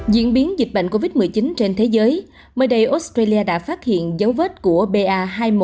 diễn biến dịch bệnh covid một mươi chín trên thế giới mới đây australia đã phát hiện dấu vết của ba hai nghìn một trăm hai mươi một